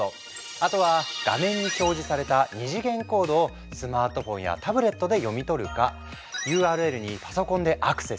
あとは画面に表示された二次元コードをスマートフォンやタブレットで読み取るかＵＲＬにパソコンでアクセス！